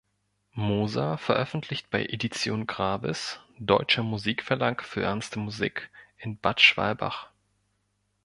Moser veröffentlicht bei Edition Gravis, Deutscher Musikverlag für ernste Musik, in Bad Schwalbach.